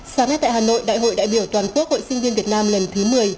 sáng nay tại hà nội đại hội đại biểu toàn quốc hội sinh viên việt nam lần thứ một mươi